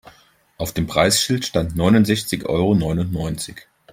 Auf dem Preisschild stand neunundsechzig Euro neunundneunzig.